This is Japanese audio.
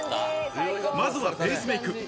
まずはベースメイク。